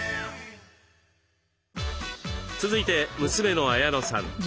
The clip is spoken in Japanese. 続いて娘の絢乃さん。